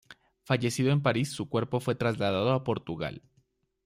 Fallecido en París, su cuerpo fue trasladado a Portugal.